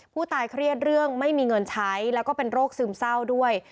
เครียดเรื่องไม่มีเงินใช้แล้วก็เป็นโรคซึมเศร้าด้วย